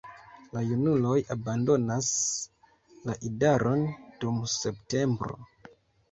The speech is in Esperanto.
La junuloj abandonas la idaron dum septembro.